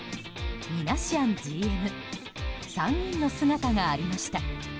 ミナシアンＧＭ３人の姿がありました。